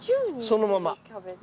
そのまま。